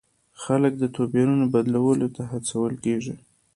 خلک د توپیرونو بدلولو ته هڅول کیږي.